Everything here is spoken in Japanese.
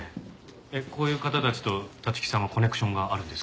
こういう方たちと立木さんはコネクションがあるんですか？